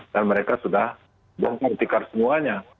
dan mereka sudah buang tikar semuanya